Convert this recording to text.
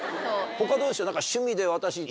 他どうでしょう？